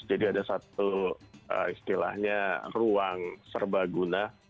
jadi ada satu istilahnya ruang serbaguna